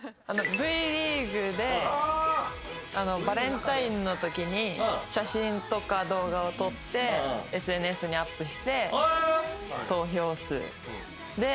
Ｖリーグでバレンタインのときに写真とか動画を撮ってＳＮＳにアップして投票数で１位を。